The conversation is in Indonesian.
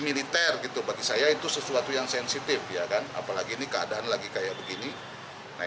militer gitu bagi saya itu sesuatu yang sensitif ya kan apalagi ini keadaan lagi kayak begini nah